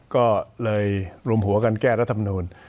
ก็เลยรวมหัวกันแก้รัฐมนูล